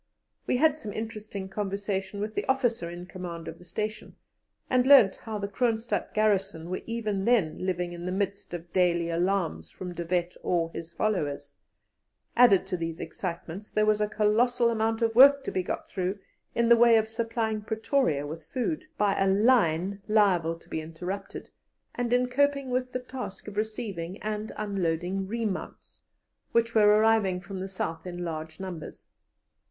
We had some interesting conversation with the officer in command of the station, and learnt how the Kroonstadt garrison were even then living in the midst of daily alarms from De Wet or his followers; added to these excitements, there was a colossal amount of work to be got through in the way of supplying Pretoria with food, by a line liable to be interrupted, and in coping with the task of receiving and unloading remounts, which were arriving from the South in large numbers.